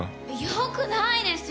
よくないですよ！